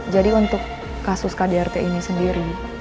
jadi untuk kasus kdrt ini sendiri